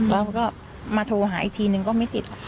แล้วก็มาโทรหาอีกทีนึงก็ไม่ติด